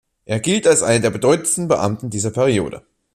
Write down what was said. Er gilt als einer der bedeutendsten Beamten dieser Periode.